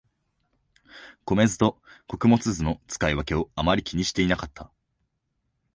米酢と穀物酢の使い分けをあまり気にしてなかった